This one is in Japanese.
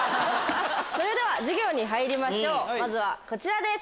それでは授業に入りましょうまずはこちらです！